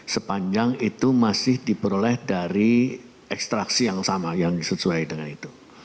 sepanjang itu masih diperoleh dari ekstraksi yang sama yang sesuai dengan itu